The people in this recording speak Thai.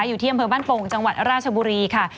อยู่ที่อำเภอบ้านโป่งจังหวัดราชบุรีค่ะ